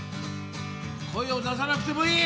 声を出さなくてもいい。